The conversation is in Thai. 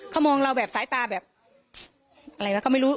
เขามองเราแบบสายตาแบบอะไรวะก็ไม่รู้